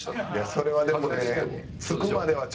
それはでもね。